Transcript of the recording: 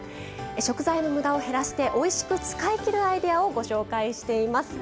食材のムダを減らしておいしく使いきるアイデアをご紹介しています。